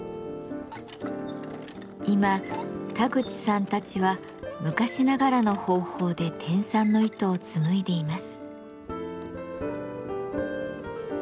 今田口さんたちは昔ながらの方法で天蚕の糸を紡いでいます。